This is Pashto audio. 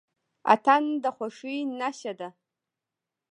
اتن د خوښۍ نښه ده.